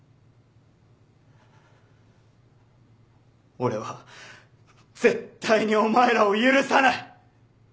俺は絶対にお前らを許さない！